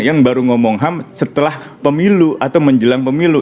yang baru ngomong ham setelah pemilu atau menjelang pemilu